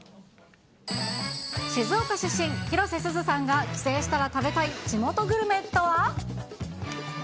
静岡出身、広瀬すずさんが帰省したら食べたい地元グルメとは。